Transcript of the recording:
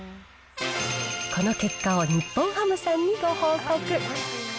この結果を日本ハムさんにご報告。